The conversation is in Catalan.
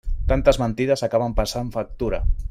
Tantes mentides acaben passant factura.